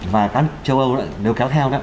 và các châu âu nếu kéo theo